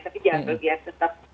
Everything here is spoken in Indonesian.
tapi jangan begitu biasa tetap